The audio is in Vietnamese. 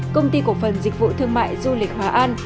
công ty cổ phần dịch vụ thương mại du lịch hòa an